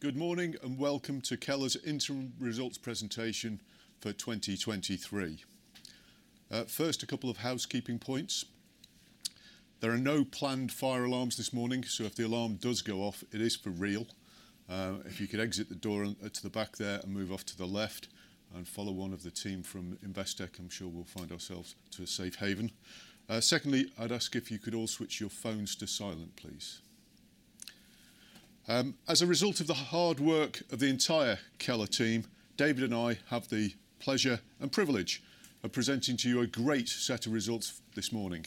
Good morning. Welcome to Keller's interim results presentation for 2023. First, a couple of housekeeping points. There are no planned fire alarms this morning, so if the alarm does go off, it is for real. If you could exit the door to the back there and move off to the left and follow one of the team from Investec, I'm sure we'll find ourselves to a safe haven. Secondly, I'd ask if you could all switch your phones to silent, please. As a result of the hard work of the entire Keller team, David and I have the pleasure and privilege of presenting to you a great set of results this morning.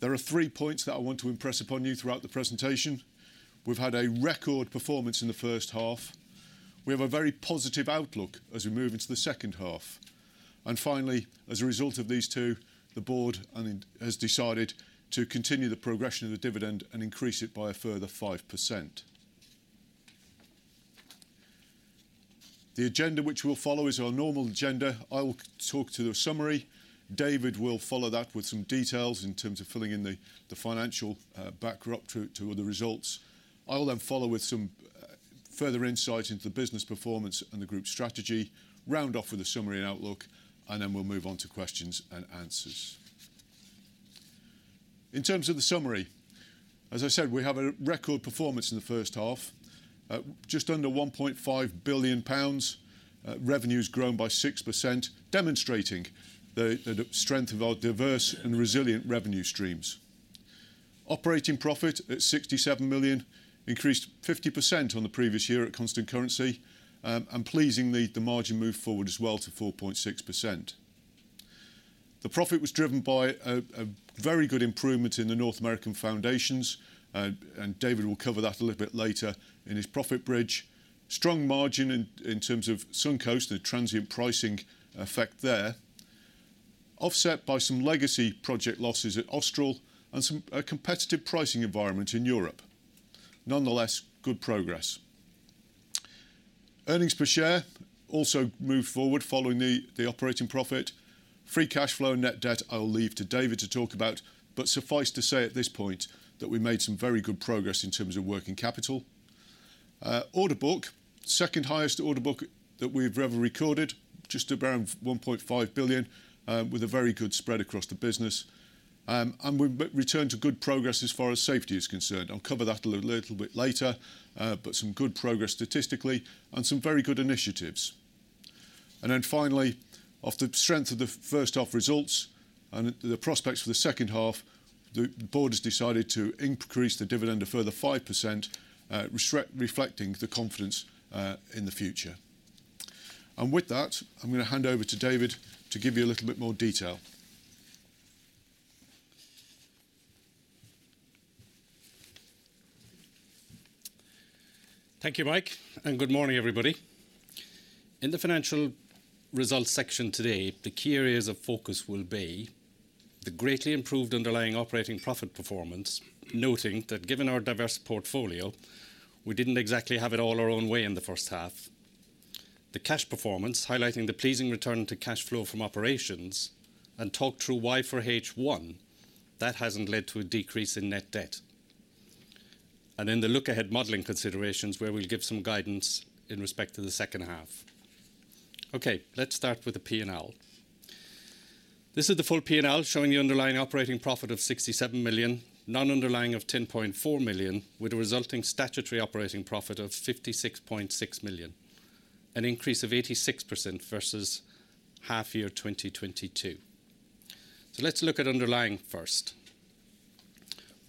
There are three points that I want to impress upon you throughout the presentation: We've had a record performance in the first half, we have a very positive outlook as we move into the second half, and finally, as a result of these two, the board has decided to continue the progression of the dividend and increase it by a further 5%. The agenda which we'll follow is our normal agenda. I will talk to the summary. David will follow that with some details in terms of filling in the, the financial backer up to the results. I will then follow with some further insight into the business performance and the Group strategy, round off with a summary and outlook, and then we'll move on to questions and answers. In terms of the summary, as I said, we have a record performance in the first half. Just under 1.5 billion pounds. Revenue's grown by 6%, demonstrating the strength of our diverse and resilient revenue streams. Operating profit, at 67 million, increased 50% on the previous year at constant currency, and pleasingly, the margin moved forward as well to 4.6%. The profit was driven by a very good improvement in the North American foundations, and David will cover that a little bit later in his profit bridge. Strong margin in terms of Suncoast, the transient pricing effect there, offset by some legacy project losses at Austral and some, a competitive pricing environment in Europe. Nonetheless, good progress. Earnings per share also moved forward following the operating profit. Free cash flow and net debt, I will leave to David to talk about, but suffice to say at this point that we made some very good progress in terms of working capital. Order book, second highest order book that we've ever recorded, just around 1.5 billion, with a very good spread across the business. We've returned to good progress as far as safety is concerned. I'll cover that a little bit later, but some good progress statistically and some very good initiatives. Finally, off the strength of the first half results and the prospects for the second half, the board has decided to increase the dividend a further 5%, reflecting the confidence in the future. With that, I'm gonna hand over to David to give you a little bit more detail. Thank you, Mike. Good morning, everybody. In the financial results section today, the key areas of focus will be the greatly improved underlying operating profit performance, noting that given our diverse portfolio, we didn't exactly have it all our own way in the first half. The cash performance, highlighting the pleasing return to cash flow from operations, talk through why for H1, that hasn't led to a decrease in net debt. In the look-ahead modeling considerations, where we'll give some guidance in respect to the second half. Okay, let's start with the P&L. This is the full P&L, showing the underlying operating profit of 67 million, non-underlying of 10.4 million, with a resulting statutory operating profit of 56.6 million, an increase of 86% versus half year 2022. Let's look at underlying first.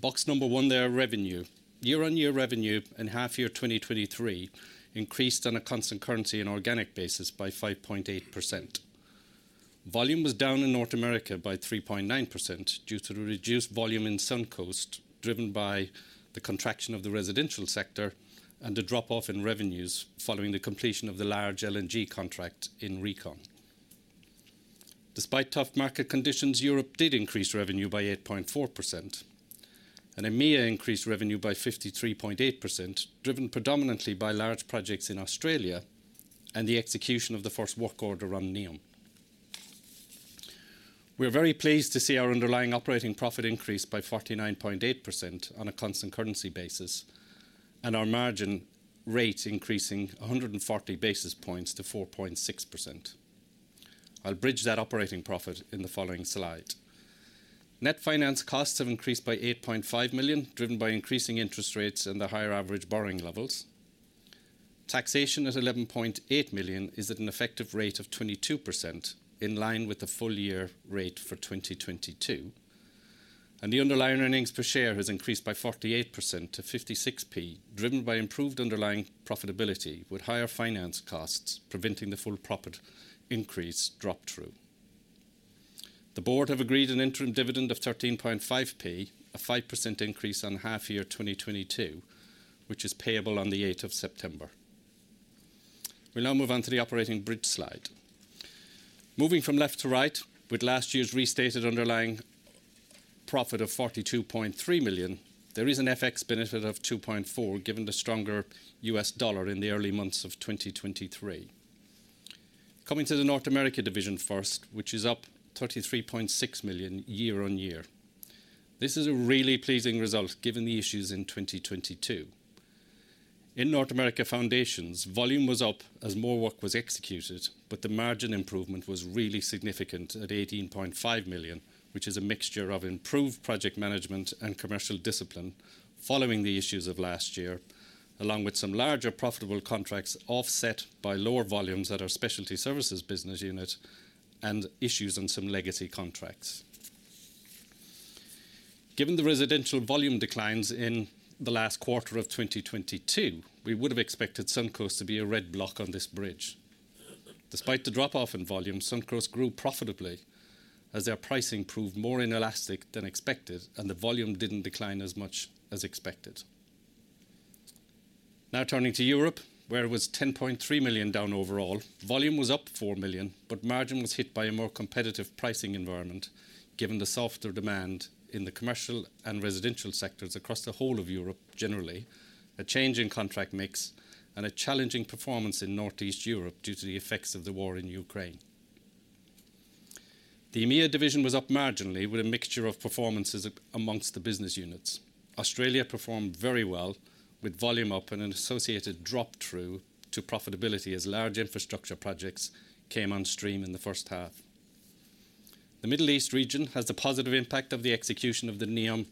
Box number one there, revenue. Year-on-year revenue in half year 2023 increased on a constant currency and organic basis by 5.8%. Volume was down in North America by 3.9% due to the reduced volume in Suncoast, driven by the contraction of the residential sector and the drop-off in revenues following the completion of the large LNG contract in RECON. Despite tough market conditions, Europe did increase revenue by 8.4%, and EMEA increased revenue by 53.8%, driven predominantly by large projects in Australia and the execution of the first Work Order on NEOM. We are very pleased to see our underlying operating profit increase by 49.8% on a constant currency basis, and our margin rate increasing 140 basis points to 4.6%. I'll bridge that operating profit in the following slide. Net finance costs have increased by 8.5 million, driven by increasing interest rates and the higher average borrowing levels. Taxation at 11.8 million is at an effective rate of 22%, in line with the full year rate for 2022. The underlying earnings per share has increased by 48% to 56p, driven by improved underlying profitability, with higher finance costs preventing the full profit increase drop-through. The board have agreed an interim dividend of 13.5p, a 5% increase on half year 2022, which is payable on the 8th of September. We'll now move on to the operating bridge slide. Moving from left to right, with last year's restated underlying profit of 42.3 million, there is an FX benefit of 2.4 million, given the stronger US dollar in the early months of 2023. Coming to the North America division first, which is up $33.6 million year-over-year. This is a really pleasing result, given the issues in 2022. In North America foundations, volume was up as more work was executed, but the margin improvement was really significant at $18.5 million, which is a mixture of improved project management and commercial discipline following the issues of last year, along with some larger profitable contracts, offset by lower volumes at our Specialty Services business unit and issues on some legacy contracts. Given the residential volume declines in the last quarter of 2022, we would have expected Suncoast to be a red block on this bridge. Despite the drop-off in volume, Suncoast grew profitably as their pricing proved more inelastic than expected, and the volume didn't decline as much as expected. Turning to Europe, where it was 10.3 million down overall, volume was up 4 million, but margin was hit by a more competitive pricing environment, given the softer demand in the commercial and residential sectors across the whole of Europe, generally, a change in contract mix, and a challenging performance in Northeast Europe due to the effects of the war in Ukraine. The EMEA division was up marginally with a mixture of performances amongst the business units. Australia performed very well, with volume up and an associated drop-through to profitability as large infrastructure projects came on stream in the first half. The Middle East region has the positive impact of the execution of the NEOM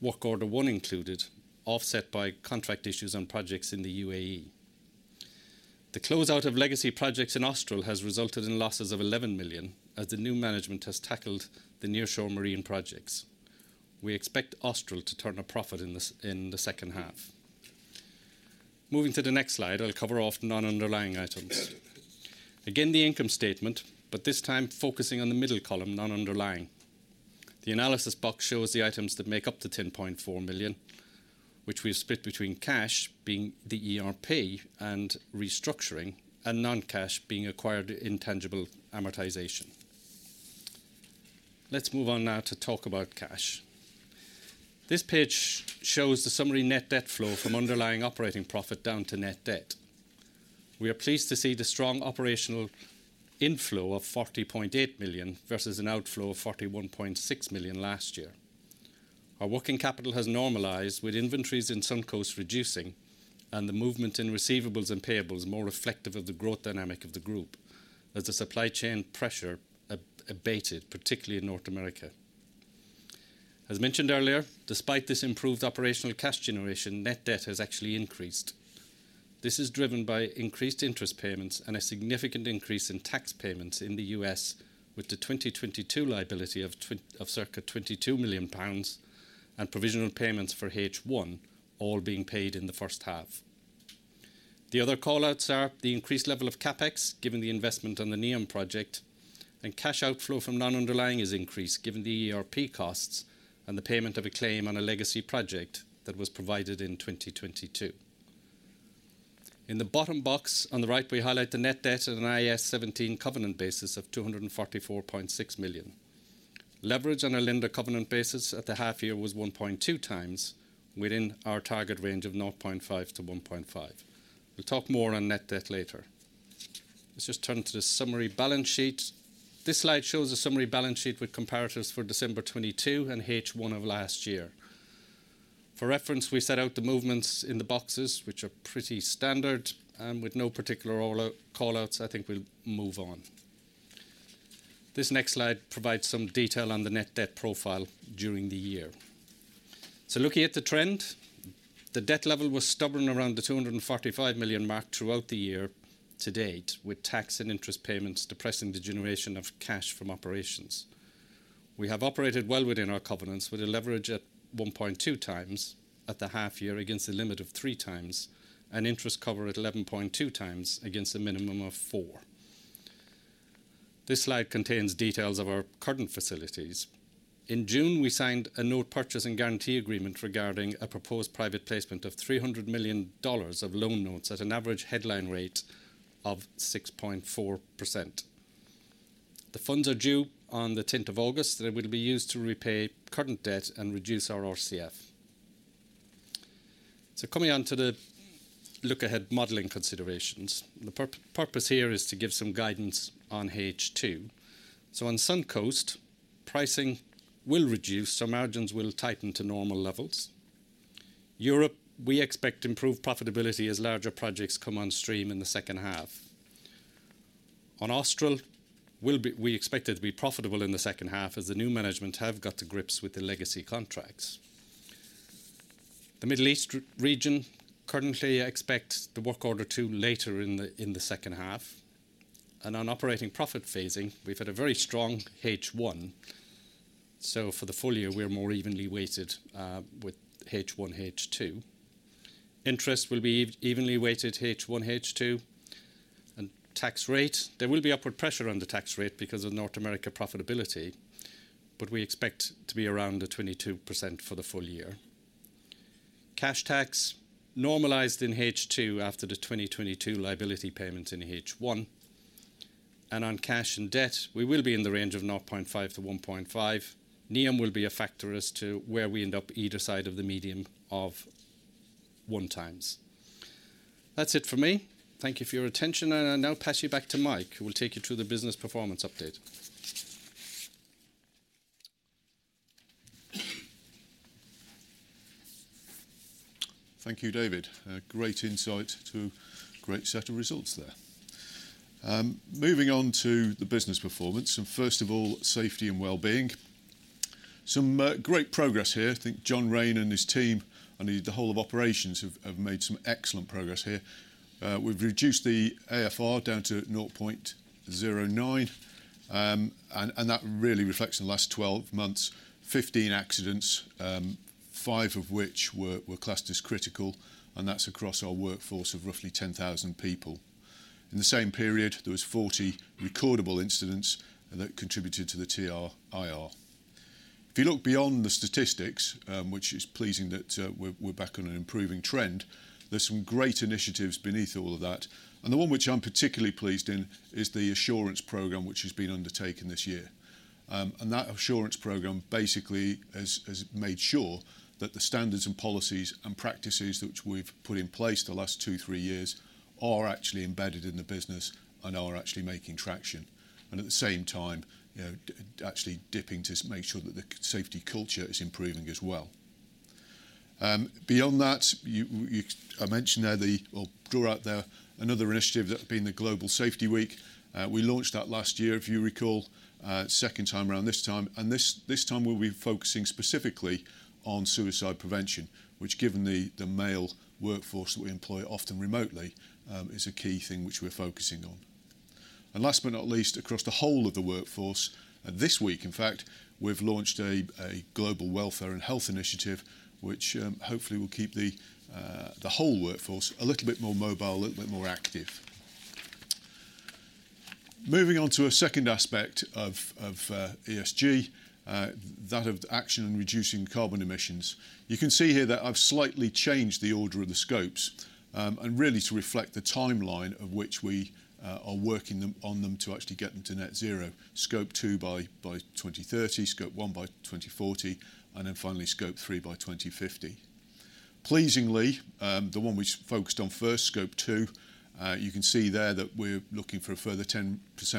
Work Order One included, offset by contract issues on projects in the UAE. The closeout of legacy projects in Austral has resulted in losses of 11 million, as the new management has tackled the nearshore marine projects. We expect Austral to turn a profit in the second half. Moving to the next slide, I'll cover off non-underlying items. The income statement, this time focusing on the middle column, non-underlying. The analysis box shows the items that make up the 10.4 million, which we've split between cash, being the ERP and restructuring, and non-cash, being acquired intangible amortization. Let's move on now to talk about cash. This page shows the summary net debt flow from underlying operating profit down to net debt. We are pleased to see the strong operational inflow of 40.8 million, versus an outflow of 41.6 million last year. Our working capital has normalized, with inventories in Suncoast reducing, and the movement in receivables and payables more reflective of the growth dynamic of the group as the supply chain pressure abated, particularly in North America. As mentioned earlier, despite this improved operational cash generation, net debt has actually increased. This is driven by increased interest payments and a significant increase in tax payments in the U.S., with the 2022 liability of circa 22 million pounds and provisional payments for H1 all being paid in the first half. The other call-outs are the increased level of CapEx, given the investment on the NEOM project, and cash outflow from non-underlying is increased, given the ERP costs and the payment of a claim on a legacy project that was provided in 2022. In the bottom box, on the right, we highlight the net debt on an IFRS 17 covenant basis of 244.6 million. Leverage on a lender covenant basis at the half year was 1.2x, within our target range of 0.5 to 1.5. We'll talk more on net debt later. Let's just turn to the summary balance sheet. This slide shows a summary balance sheet with comparatives for December 2022 and H1 of last year. For reference, we set out the movements in the boxes, which are pretty standard and with no particular call-outs. I think we'll move on. This next slide provides some detail on the net debt profile during the year. Looking at the trend, the debt level was stubborn around the $245 million mark throughout the year to date, with tax and interest payments depressing the generation of cash from operations. We have operated well within our covenants, with a leverage at 1.2x at the half year against a limit of 3x, and interest cover at 11.2x against a minimum of 4x. This slide contains details of our current facilities. In June, we signed a note purchase and guarantee agreement regarding a proposed private placement of $300 million of loan notes at an average headline rate of 6.4%. The funds are due on the 10th of August. They will be used to repay current debt and reduce our RCF. Coming on to the look-ahead modeling considerations, the purpose here is to give some guidance on H2. On Suncoast, pricing will reduce, so margins will tighten to normal levels. Europe, we expect improved profitability as larger projects come on stream in the second half. On Austral, we expect it to be profitable in the second half as the new management have got to grips with the legacy contracts. The Middle East region currently expects the Work Order Two later in the second half. On operating profit phasing, we've had a very strong H1, so for the full year, we're more evenly weighted with H1, H2. Interest will be evenly weighted H1, H2. Tax rate, there will be upward pressure on the tax rate because of North America profitability, but we expect to be around 22% for the full year. Cash tax normalized in H2 after the 2022 liability payments in H1. On cash and debt, we will be in the range of 0.5 to 1.5. NEOM will be a factor as to where we end up either side of the medium one times. That's it for me. Thank you for your attention, and I now pass you back to Mike, who will take you through the business performance update. Thank you, David. Great insight to great set of results there. Moving on to the business performance, first of all, safety and wellbeing. Some great progress here. I think John Raine and his team and indeed the whole of operations have, have made some excellent progress here. We've reduced the AFR down to 0.09, and that really reflects the last 12 months, 15 accidents, five of which were classed as critical, and that's across our workforce of roughly 10,000 people. In the same period, there was 40 recordable incidents, and that contributed to the TRIR. If you look beyond the statistics, which is pleasing that we're back on an improving trend, there's some great initiatives beneath all of that, and the one which I'm particularly pleased in is the assurance program, which has been undertaken this year. That assurance program basically has made sure that the standards and policies and practices which we've put in place the last two, three years are actually embedded in the business and are actually making traction. At the same time, you know, actually dipping to make sure that the safety culture is improving as well. Beyond that, I mentioned there or drew out there another initiative, that being the Global Safety Week. We launched that last year, if you recall. Second time around this time, and this, this time we'll be focusing specifically on suicide prevention, which, given the male workforce that we employ, often remotely, is a key thing which we're focusing on. Last but not least, across the whole of the workforce, this week, in fact, we've launched a global welfare and health initiative, which hopefully will keep the whole workforce a little bit more mobile, a little bit more active. Moving on to a second aspect of ESG, that of the action on reducing carbon emissions. You can see here that I've slightly changed the order of the scopes, and really to reflect the timeline of which we are working them, on them to actually get them to net zero. Scope two by 2030, Scope one by 2040, and then finally, Scope three by 2050. Pleasingly, the one we focused on first, Scope two, you can see there that we're looking for a further 10%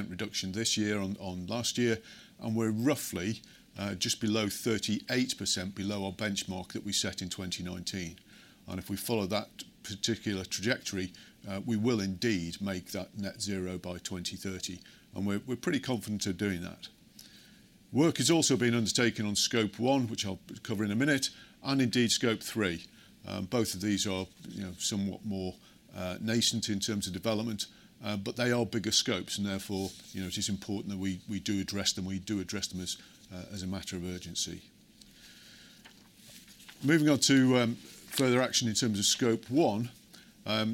reduction this year on last year, and we're roughly just below 38% below our benchmark that we set in 2019. If we follow that particular trajectory, we will indeed make that net zero by 2030, and we're pretty confident of doing that. Work is also being undertaken on Scope one, which I'll cover in a minute, and indeed, Scope three. Both of these are, you know, somewhat more nascent in terms of development, but they are bigger scopes, and therefore, you know, it is important that we, we do address them, we do address them as a matter of urgency. Moving on to further action in terms of Scope one,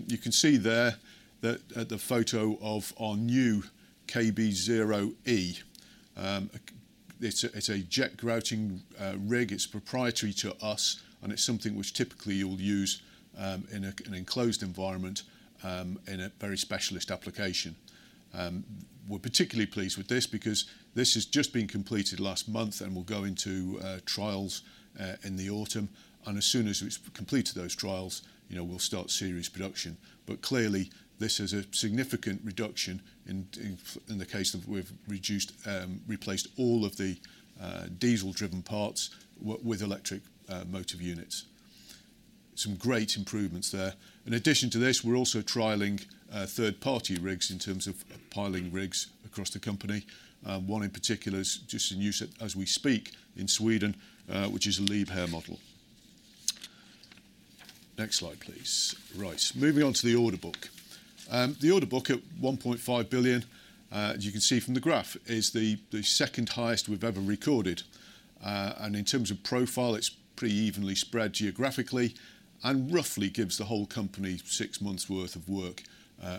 you can see there that at the photo of our new KB0E. It's a, it's a jet grouting rig. It's proprietary to us, and it's something which typically you'll use in an enclosed environment, in a very specialist application. We're particularly pleased with this because this has just been completed last month and will go into trials in the autumn, and as soon as it's completed those trials, you know, we'll start serious production. Clearly, this is a significant reduction in, in, in the case of we've reduced, replaced all of the diesel-driven parts with electric motive units. Some great improvements there. In addition to this, we're also trialing third-party rigs in terms of piling rigs across the company. One in particular is just in use as we speak in Sweden, which is a Liebherr model. Next slide, please. Right. Moving on to the order book. The order book at 1.5 billion, as you can see from the graph, is the second highest we've ever recorded. In terms of profile, it's pretty evenly spread geographically and roughly gives the whole company six months' worth of work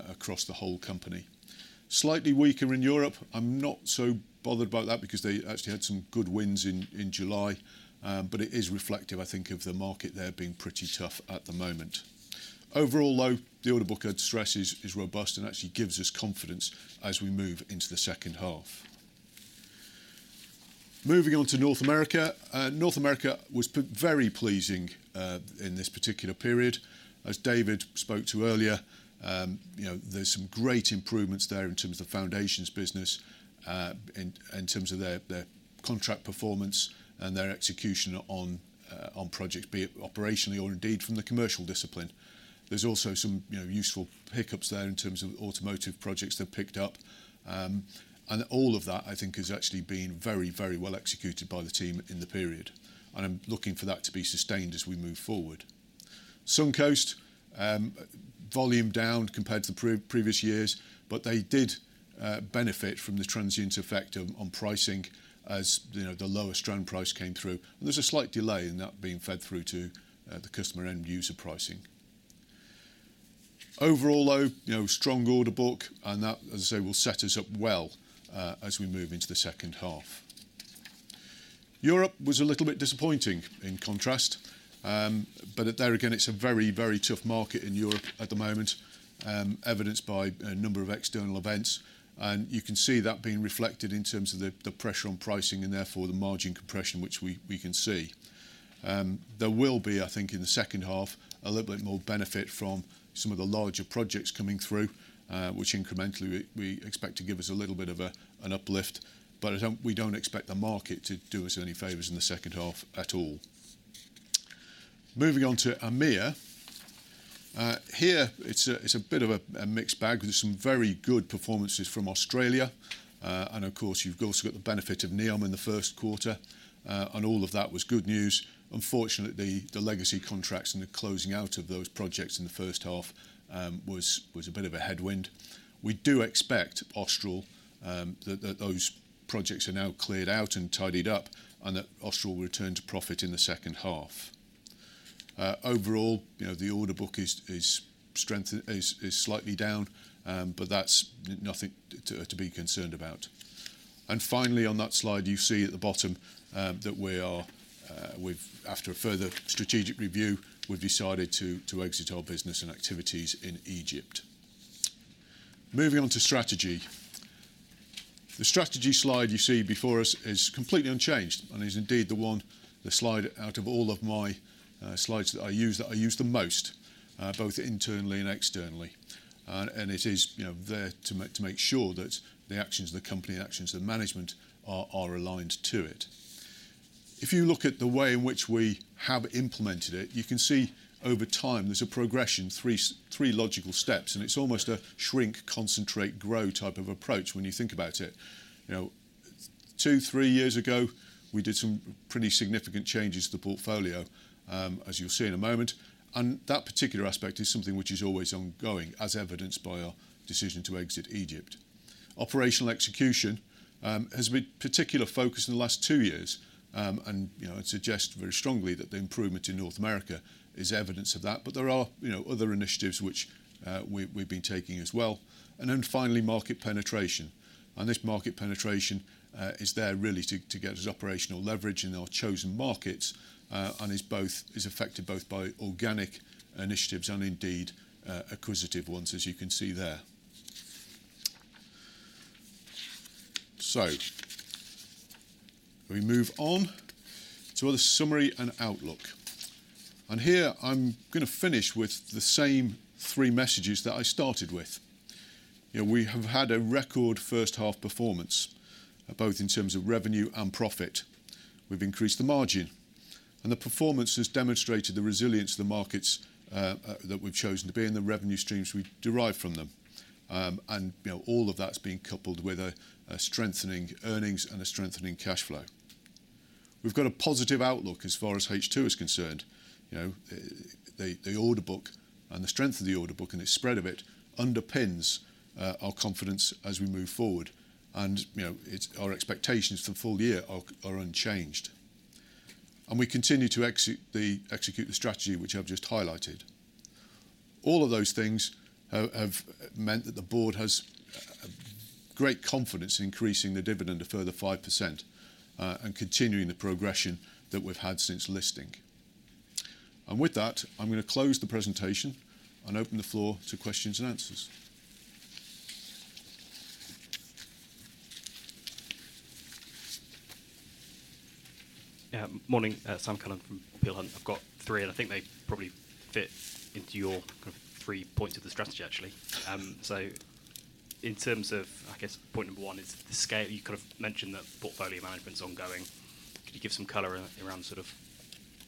across the whole company. Slightly weaker in Europe. I'm not so bothered about that because they actually had some good wins in, in July, but it is reflective, I think, of the market there being pretty tough at the moment. Overall, though, the order book, I'd stress, is, is robust and actually gives us confidence as we move into the second half. Moving on to North America. North America was very pleasing in this particular period. As David spoke to earlier, you know, there's some great improvements there in terms of the foundations business in terms of their, their contract performance and their execution on projects, be it operationally or indeed from the commercial discipline. There's also some, you know, useful pickups there in terms of automotive projects they've picked up. All of that, I think, has actually been very, very well executed by the team in the period, and I'm looking for that to be sustained as we move forward. Suncoast, volume down compared to the previous years, they did benefit from the transient effect on pricing as, you know, the lower stone price came through. There's a slight delay in that being fed through to the customer end-user pricing. Overall, though, you know, strong order book, that, as I say, will set us up well as we move into the second half. Europe was a little bit disappointing in contrast, but there again, it's a very, very tough market in Europe at the moment, evidenced by a number of external events, and you can see that being reflected in terms of the, the pressure on pricing and therefore the margin compression, which we, we can see. There will be, I think, in the second half, a little bit more benefit from some of the larger projects coming through, which incrementally we, we expect to give us a little bit of an uplift, but we don't expect the market to do us any favors in the second half at all. Moving on to AMEA. Here, it's a bit of a mixed bag, with some very good performances from Australia. Of course, you've also got the benefit of NEOM in the Q1, and all of that was good news. Unfortunately, the legacy contracts and the closing out of those projects in the first half, was, was a bit of a headwind. We do expect Austral, that, that those projects are now cleared out and tidied up, and that Austral will return to profit in the second half. Overall, you know, the order book is strength is slightly down, but that's nothing to be concerned about. Finally, on that slide, you see at the bottom, that we are, we've after a further strategic review, we've decided to, to exit our business and activities in Egypt. Moving on to strategy. The strategy slide you see before us is completely unchanged, and is indeed the one, the slide out of all of my slides that I use, that I use the most, both internally and externally. It is, you know, there to make, to make sure that the actions of the company and actions of the management are, are aligned to it. If you look at the way in which we have implemented it, you can see over time there's a progression, three logical steps, and it's almost a shrink, concentrate, grow type of approach when you think about it. You know, two, three years ago, we did some pretty significant changes to the portfolio, as you'll see in a moment. That particular aspect is something which is always ongoing, as evidenced by our decision to exit Egypt. Operational execution has been particular focus in the last two years. You know, I'd suggest very strongly that the improvement in North America is evidence of that, but there are, you know, other initiatives which we've, we've been taking as well. Finally, market penetration. This market penetration is there really to get us operational leverage in our chosen markets and is both, is affected both by organic initiatives and indeed, acquisitive ones, as you can see there. We move on to the summary and outlook. Here I'm gonna finish with the same three messages that I started with. You know, we have had a record first half performance, both in terms of revenue and profit. We've increased the margin, and the performance has demonstrated the resilience of the markets that we've chosen to be in, the revenue streams we derive from them. You know, all of that's being coupled with a strengthening earnings and a strengthening cash flow. We've got a positive outlook as far as H2 is concerned. You know, the order book and the strength of the order book, and the spread of it underpins our confidence as we move forward. You know, our expectations for the full year are unchanged. We continue to execute the strategy which I've just highlighted. All of those things have meant that the board has great confidence in increasing the dividend a further 5%, and continuing the progression that we've had since listing. With that, I'm gonna close the presentation and open the floor to questions and answers. Yeah, morning, Sam Cullen from Peel Hunt. I've got three, and I think they probably fit into your kind of three points of the strategy, actually. In terms of, I guess, point number one is the scale. You kind of mentioned that portfolio management is ongoing. Can you give some color around sort of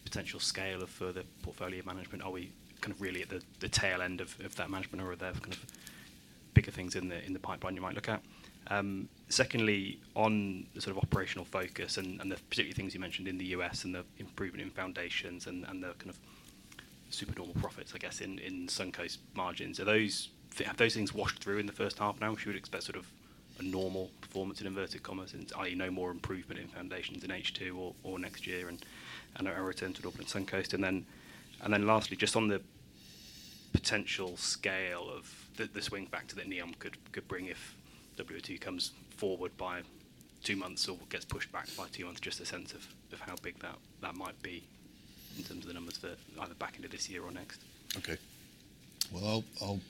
potential scale of further portfolio management? Are we kind of really at the, the tail end of, of that management, or are there kind of bigger things in the, in the pipeline you might look at? Secondly, on the sort of operational focus and, and the particular things you mentioned in the U.S. and the improvement in foundations and, and the kind of super normal profits, I guess, in, in Suncoast margins, are those have those things washed through in the first half now? We should expect sort of a normal performance in inverted commerce, i.e., no more improvement in foundations in H2 or, or next year and, and a return to normal in Suncoast. Then, lastly, just on the potential scale of the, the swing back that NEOM could, could bring if WT comes forward by two months or gets pushed back by two months, just a sense of, of how big that, that might be in terms of the numbers for either back end of this year or next. Okay. Well, I'll, I'll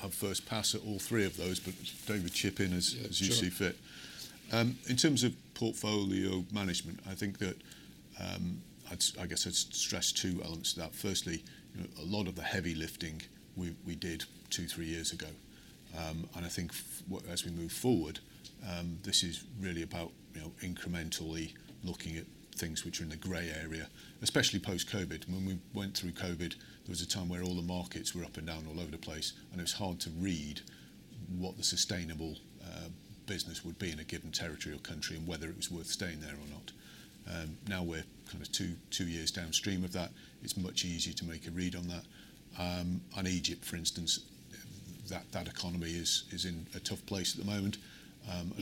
have first pass at all three of those, but David, chip in. Yeah, sure. As you see fit. In terms of portfolio management, I think that, I guess I'd stress two elements to that. Firstly, you know, a lot of the heavy lifting we, we did two, three years ago. And I think as we move forward, this is really about, you know, incrementally looking at things which are in the gray area, especially post-COVID. When we went through COVID, there was a time where all the markets were up and down all over the place, and it was hard to read what the sustainable business would be in a given territory or country, and whether it was worth staying there or not. Now we're kind of two, two years downstream of that. It's much easier to make a read on that. Egypt, for instance, that, that economy is, is in a tough place at the moment.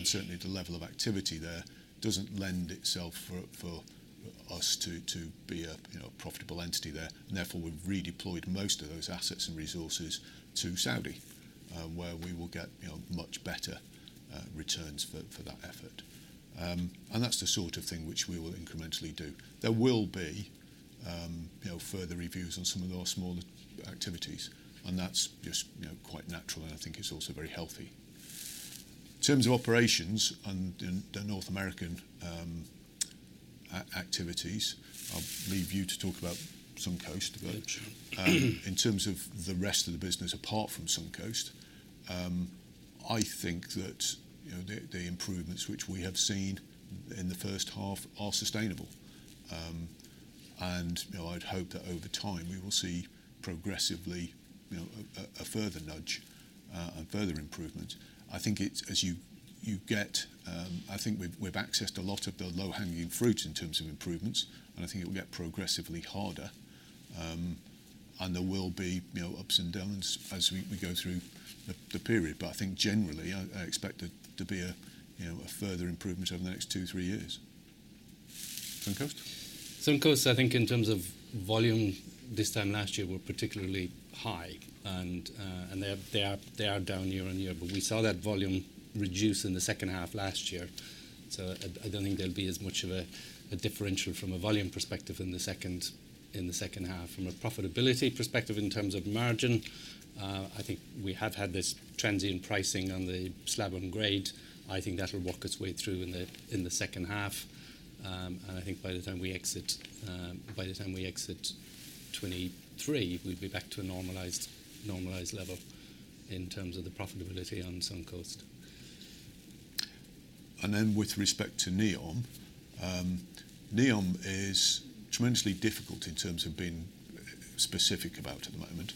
Certainly, the level of activity there doesn't lend itself for us to be a, you know, profitable entity there. Therefore, we've redeployed most of those assets and resources to Saudi, where we will get, you know, much better returns for, for that effort. That's the sort of thing which we will incrementally do. There will be, you know, further reviews on some of our smaller activities, and that's just, you know, quite natural, and I think it's also very healthy. In terms of operations and in the North American activities, I'll leave you to talk about Suncoast In terms of the rest of the business, apart from Suncoast, I think that, you know, the, the improvements which we have seen in the first half are sustainable. You know, I'd hope that over time we will see progressively, you know, a further nudge, a further improvement. I think it's as you get, I think we've, we've accessed a lot of the low-hanging fruit in terms of improvements, and I think it will get progressively harder. There will be, you know, ups and downs as we, we go through the, the period. I think generally, I expect there to be a, you know, a further improvement over the next two, three years. Suncoast? Suncoast, I think in terms of volume this time last year were particularly high, and they are, they are, they are down year-on-year. We saw that volume reduce in the second half last year, so I don't think there'll be as much of a, a differential from a volume perspective in the second, in the second half. From a profitability perspective in terms of margin, I think we have had this transient pricing on the slab on grade. I think that'll work its way through in the, in the second half. I think by the time we exit, by the time we exit 23, we'll be back to a normalized, normalized level in terms of the profitability on Suncoast. Then with respect to NEOM, NEOM is tremendously difficult in terms of being specific about at the moment.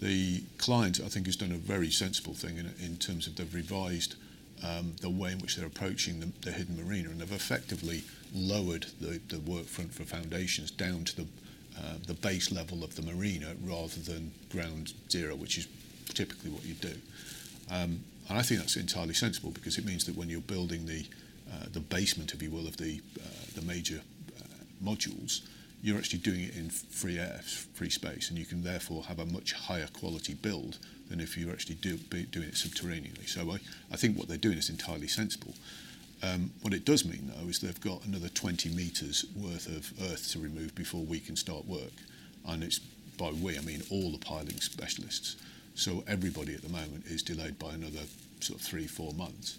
The client, I think, has done a very sensible thing in, in terms of they've revised the way in which they're approaching the hidden marina, and they've effectively lowered the work front for foundations down to the base level of the marina rather than ground zero, which is typically what you'd do. And I think that's entirely sensible because it means that when you're building the basement, if you will, of the major modules, you're actually doing it in free air, free space, and you can therefore have a much higher quality build than if you actually be doing it subterraneously. I, I think what they're doing is entirely sensible. What it does mean, though, is they've got another 20 meters worth of earth to remove before we can start work, and it's by we, I mean all the piling specialists. Everybody at the moment is delayed by another sort of three, four months.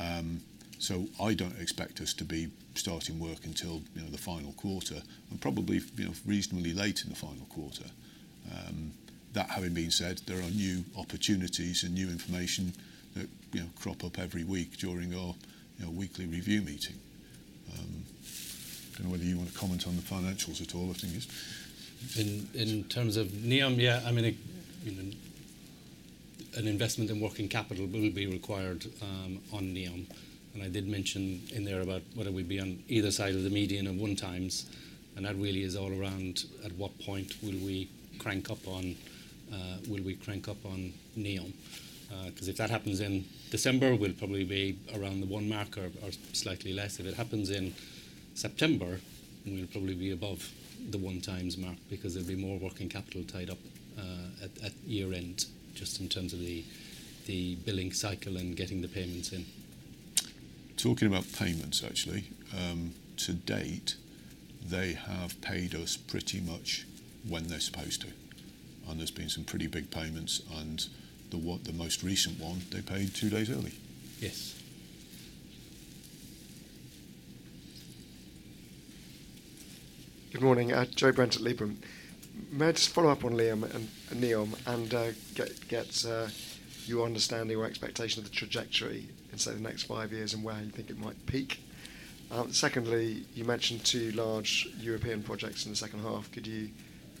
I don't expect us to be starting work until, you know, the final quarter, and probably, you know, reasonably late in the final quarter. That having been said, there are new opportunities and new information that, you know, crop up every week during our, you know, weekly review meeting. I don't know whether you want to comment on the financials at all, I think is. In terms of Neom, yeah, I mean, it, you know, an investment in working capital will be required on Neom. I did mention in there about whether we'd be on either side of the median at one times, and that really is all around at what point will we crank up on, will we crank up on Neom? Because if that happens in December, we'll probably be around the one mark or, slightly less. If it happens in September, we'll probably be above the one times mark because there'll be more working capital tied up, at year-end, just in terms of the billing cycle and getting the payments in. Talking about payments, actually, to date, they have paid us pretty much when they're supposed to, and there's been some pretty big payments, and the most recent one, they paid two days early. Yes. Good morning, Joe Brent at Liebherr. May I just follow up on Liam and NEOM and get your understanding or expectation of the trajectory in, say, the next five years and where you think it might peak? Secondly, you mentioned two large European projects in the second half. Could you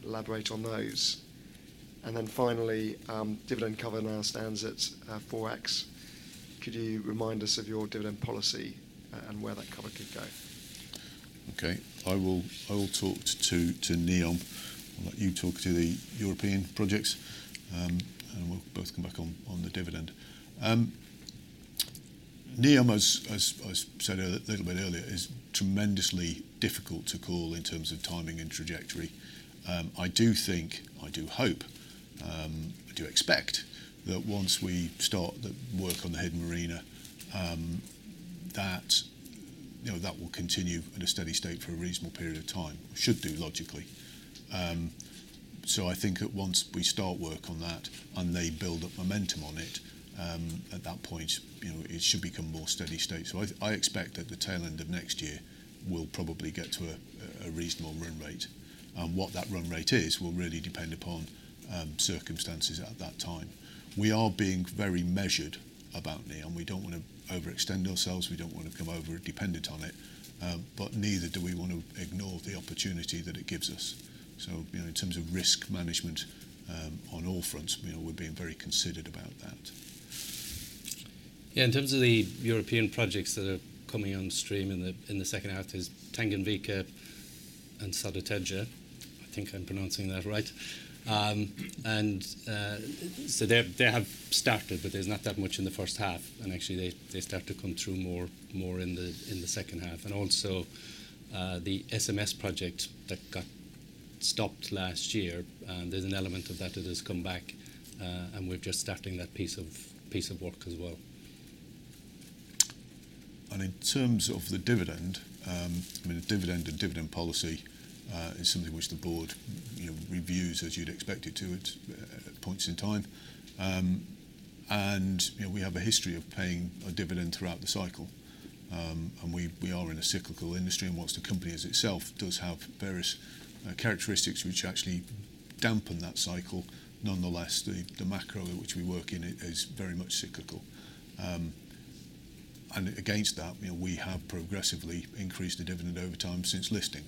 elaborate on those? Then finally, dividend cover now stands at 4x. Could you remind me of your dividend policy and where that cover could go? Okay. I will, I will talk to NEOM. I'll let you talk to the European projects, and we'll both come back on the dividend. NEOM, as I said a little bit earlier, is tremendously difficult to call in terms of timing and trajectory. I do think, I do hope, I do expect that once we start the work on the hidden marina, that, you know, that will continue at a steady state for a reasonable period of time, should do logically. I think that once we start work on that and they build up momentum on it, at that point, you know, it should become more steady state. I expect at the tail end of next year, we'll probably get to a reasonable run rate. What that run rate is will really depend upon circumstances at that time. We are being very measured about NEOM. We don't want to overextend ourselves, we don't want to become over dependent on it, but neither do we want to ignore the opportunity that it gives us. You know, in terms of risk management, on all fronts, you know, we're being very considered about that. Yeah, in terms of the European projects that are coming on stream in the, in the second half is Tanganyika and Sedated. I think I'm pronouncing that right. They have, they have started, but there's not that much in the first half, and actually, they, they start to come through more, more in the, in the second half. Also, the SMS project that got stopped last year, there's an element of that that has come back, and we're just starting that piece of work as well. In terms of the dividend, I mean, the dividend and dividend policy is something which the board, you know, reviews as you'd expect it to at points in time. You know, we have a history of paying a dividend throughout the cycle. We, we are in a cyclical industry, and whilst the company as itself does have various characteristics which actually dampen that cycle, nonetheless, the, the macro which we work in is, is very much cyclical. Against that, you know, we have progressively increased the dividend over time since listing.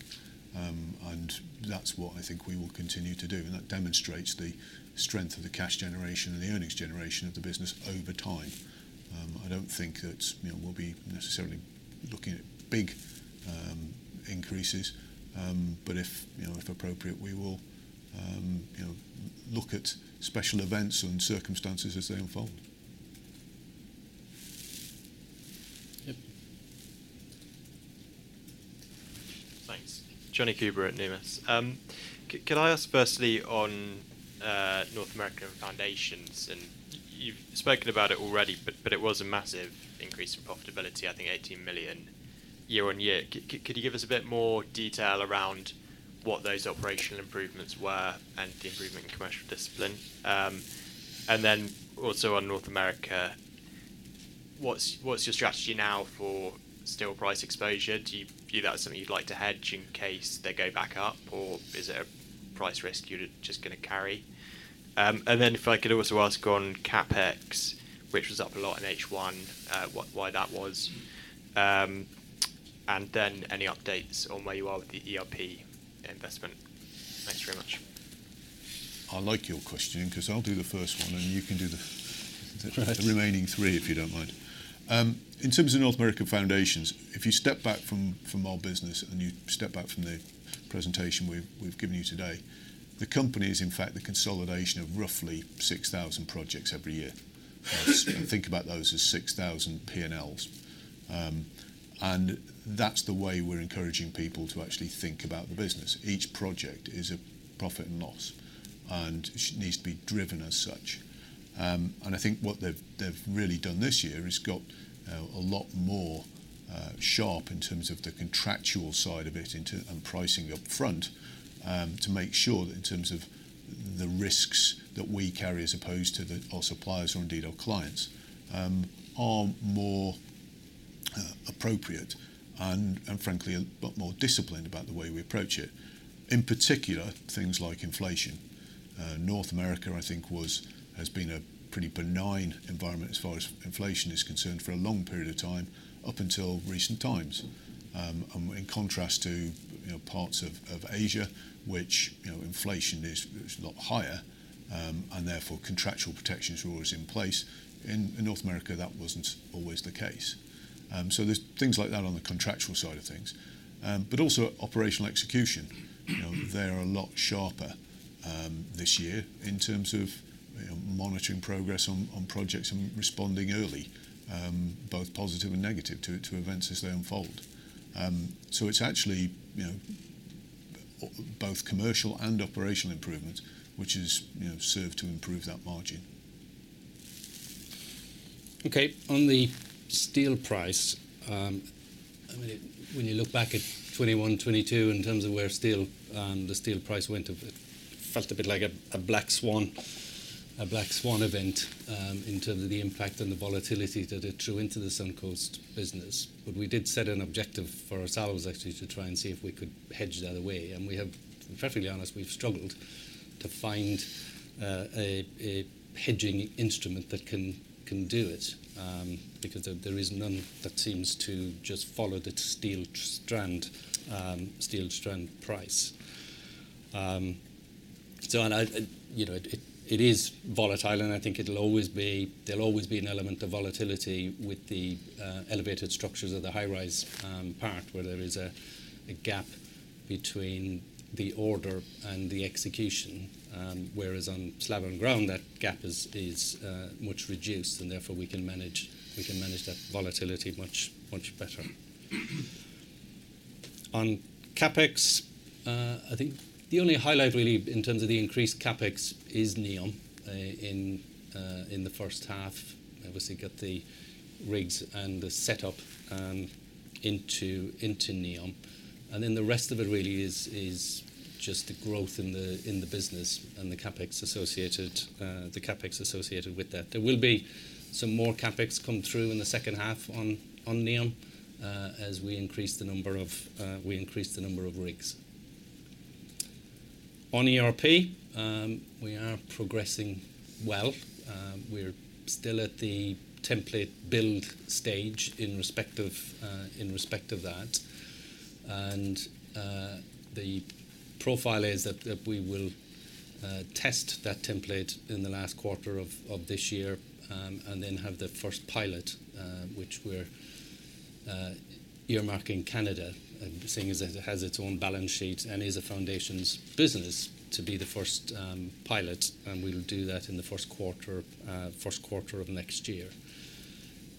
That's what I think we will continue to do, and that demonstrates the strength of the cash generation and the earnings generation of the business over time. I don't think that, you know, we'll be necessarily looking at big increases, but if, you know, if appropriate, we will, you know, look at special events and circumstances as they unfold. Yep. Thanks. Jonny Cooper at Numis. Can I ask firstly on North America foundations, and you've spoken about it already, but it was a massive increase in profitability, I think 18 million year-over-year. Could you give us a bit more detail around what those operational improvements were and the improvement in commercial discipline? Then also on North America, what's your strategy now for steel price exposure? Do you view that as something you'd like to hedge in case they go back up, or is it a price risk you're just gonna carry? Then if I could also ask on CapEx, which was up a lot in H1, why that was. Then any updates on where you are with the ERP investment. Thanks very much. I like your question because I'll do the first one, and you can do. Right The remaining three, if you don't mind. In terms of North America foundations, if you step back from, from our business and you step back from the presentation we've, we've given you today, the company is in fact the consolidation of roughly 6,000 projects every year. Think about those as 6,000 PNLs. That's the way we're encouraging people to actually think about the business. Each project is a profit and loss, and needs to be driven as such. I think what they've really done this year is got a lot more sharp in terms of the contractual side of it and pricing up front, to make sure that in terms of the risks that we carry, as opposed to the, our suppliers or indeed our clients, are more appropriate and, and frankly, a lot more disciplined about the way we approach it, in particular, things like inflation. North America, I think has been a pretty benign environment as far as inflation is concerned, for a long period of time, up until recent times. In contrast to, you know, parts of Asia, which, you know, inflation is, is a lot higher, and therefore, contractual protections were always in place. In North America, that wasn't always the case. There's things like that on the contractual side of things, but also operational execution. You know, they are a lot sharper, this year in terms of, you know, monitoring progress on projects and responding early both positive and negative to events as they unfold. It's actually, you know, both commercial and operational improvement, which has, you know, served to improve that margin. Okay. On the steel price, I mean, when you look back at 2021, 2022, in terms of where steel, the steel price went, it felt a bit like a, a black swan, a Black Swan event, in terms of the impact and the volatility that it threw into the Suncoast business. We did set an objective for ourselves, actually, to try and see if we could hedge that away. We have, fairly honest, we've struggled to find a, a hedging instrument that can do it, because there, there is none that seems to just follow the steel strand, steel strand price. I, and, you know, it, it is volatile, and I think there'll always be an element of volatility with the elevated structures of the high-rise part, where there is a gap between the order and the execution. Whereas on slab on ground, that gap is much reduced, and therefore, we can manage that volatility much, much better. On CapEx, I think the only highlight really in terms of the increased CapEx is NEOM. In the first half, obviously, get the rigs and the setup into NEOM, and then the rest of it really is just the growth in the business and the CapEx associated with that. There will be some more CapEx come through in the second half on, on NEOM, as we increase the number of, we increase the number of rigs. On ERP, we are progressing well. We're still at the template build stage in respect of, in respect of that. The profile is that, that we will test that template in the last quarter of this year, and then have the first pilot, which we're earmarking Canada, seeing as it has its own balance sheet and is a foundations business, to be the first pilot, and we will do that in the Q1, Q1 of next year.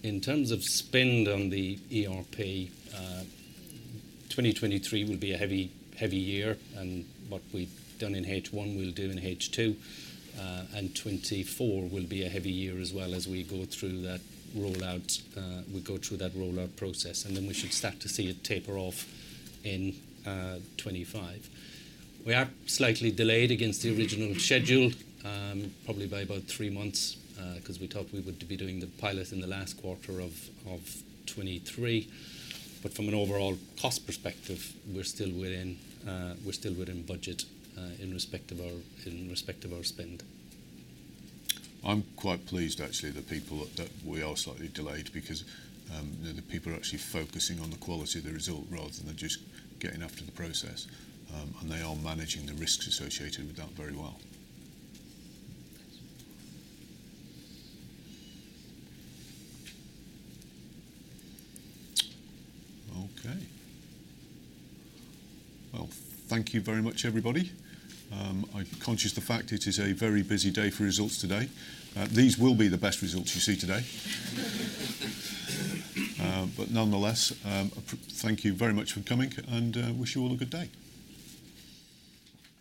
In terms of spend on the ERP, 2023 will be a heavy, heavy year, and what we've done in H1, we'll do in H2. 2024 will be a heavy year as well as we go through that rollout, we go through that rollout process, and then we should start to see it taper off in 2025. We are slightly delayed against the original schedule, probably by about three months, 'cause we thought we would be doing the pilot in the last quarter of 2023. From an overall cost perspective, we're still within, we're still within budget, in respect of our, in respect of our spend. I'm quite pleased actually, the people that we are slightly delayed because, the people are actually focusing on the quality of the result rather than just getting after the process, and they are managing the risks associated with that very well. Okay. Well, thank you very much, everybody. I'm conscious of the fact it is a very busy day for results today. These will be the best results you see today. Nonetheless, thank you very much for coming, and wish you all a good day.